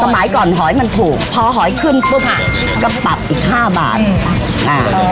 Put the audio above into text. สมัยก่อนหอยมันถูกพอหอยขึ้นปุ๊บอ่ะก็ปรับอีกห้าบาทอ่า